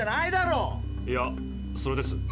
いやそれです。